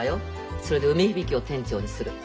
それで梅響を店長にする。